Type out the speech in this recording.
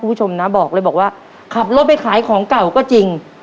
คุณผู้ชมนะบอกเลยบอกว่าขับรถไปขายของเก่าก็จริง